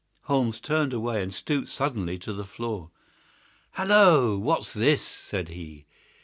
Holmes turned away and stooped suddenly to the floor. "Halloa! What's this?" said he.